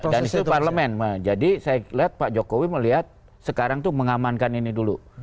dan itu di parlemen jadi saya lihat pak jokowi melihat sekarang itu mengamankan ini dulu